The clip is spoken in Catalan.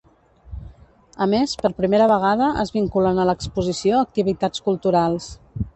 A més, per primera vegada es vinculen a l'exposició activitats culturals.